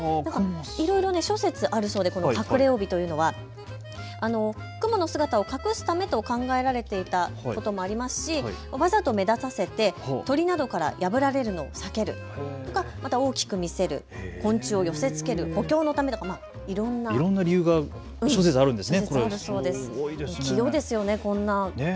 いろいろ諸説あるそうで隠れ帯というのはくもの姿を隠すためと考えられていたこともありますしわざと目立たせて鳥などから破られるのを避けるとかまた大きく見せる、昆虫を寄せつける、補強のため、いろんな理由が諸説あるんですね。